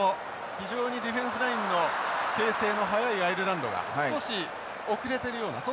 非常にディフェンスラインの形成の速いアイルランドが少し遅れてるようなそんな印象もありましたね。